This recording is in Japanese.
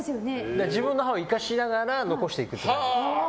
自分の歯を生かしながら残していく。